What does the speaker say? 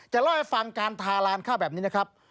เล่าให้ฟังการทาลานข้าวแบบนี้นะครับ